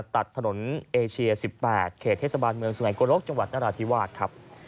ตัดถนนเอเชีย๑๘เขตเทศบาลเมืองสุงัยโกลกจังหวัดนราธิวาสครับ